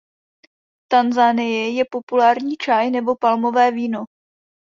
V Tanzanii je populární čaj nebo palmové víno.